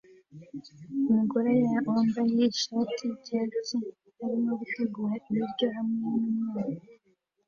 Umugore wambaye ishati yicyatsi arimo gutegura ibiryo hamwe numwana